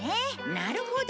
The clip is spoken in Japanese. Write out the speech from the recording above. なるほど。